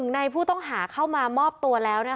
ในผู้ต้องหาเข้ามามอบตัวแล้ว